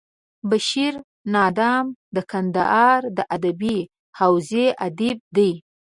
بشیر نادم د کندهار د ادبي حوزې ادیب دی.